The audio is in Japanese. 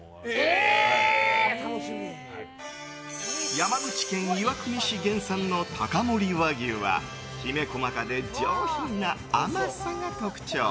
山口県岩国市原産の高森和牛はきめ細かで上品な甘さが特徴。